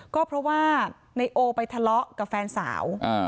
ก็เพราะว่านายโอไปทะเลาะกับแฟนสาว